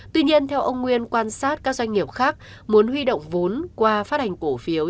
tuy nhiên theo ông nguyên quan sát các doanh nghiệp khác muốn huy động vốn qua phát hành cổ phiếu